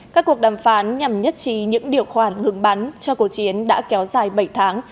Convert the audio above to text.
các cuộc đàm phán nhằm nhất trí những điều khoản ngừng bắn cho cuộc chiến đã kéo dài bảy tháng